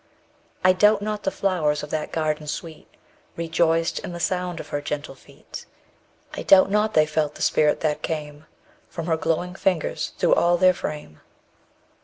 I doubt not the flowers of that garden sweet Rejoiced in the sound of her gentle feet; _30 I doubt not they felt the spirit that came From her glowing fingers through all their frame.